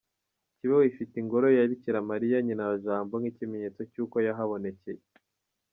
Kibeho ifite ingoro ya Bikira Mariya, Nyina wa Jambo, nk’ikimenyetso cy’uko yahabonekeye.